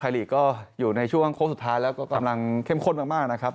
ลีกก็อยู่ในช่วงโค้งสุดท้ายแล้วก็กำลังเข้มข้นมากนะครับ